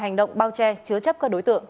hành động bao che chứa chấp các đối tượng